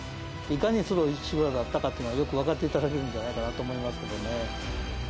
いかにすごい城だったかっていうのはよくわかっていただけるんじゃないかなと思いますけどね。